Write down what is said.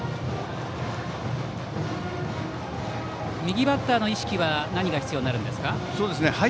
右バッターの意識は何が必要になるでしょうか。